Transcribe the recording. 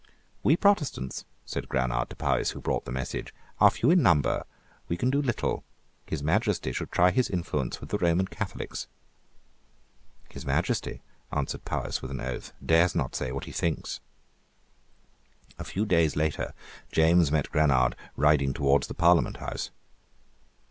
"We Protestants," said Granard to Powis who brought the message, "are few in number. We can do little. His Majesty should try his influence with the Roman Catholics." "His Majesty," answered Powis with an oath, "dares not say what he thinks." A few days later James met Granard riding towards the parliament house.